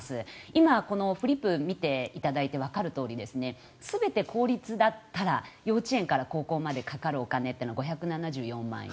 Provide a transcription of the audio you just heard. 今、フリップ見ていただいてわかるとおり全て公立だったら幼稚園から高校までかかるお金というのは５７４万円。